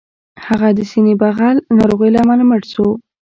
هغه د سینې بغل ناروغۍ له امله مړ شو